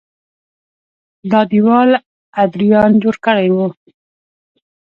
دا دېوال ادریان جوړ کړی و